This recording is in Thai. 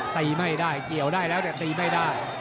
ตีไม่ได้เกี่ยวได้แล้วแต่ตีไม่ได้